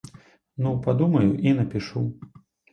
Ну, падумаю і напішу.